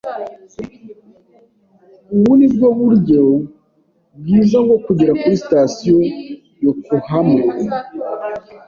Ubu ni bwo buryo bwiza bwo kugera kuri Sitasiyo Yokohama?